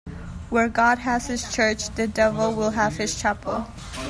Where God has his church, the devil will have his chapel.